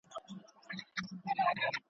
هر میدان یې په مړانه وي گټلی.